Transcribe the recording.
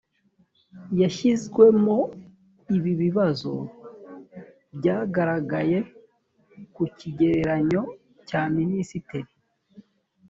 yashyizwemo ibi bibazo byagaragaye ku kigereranyo cya minisiteri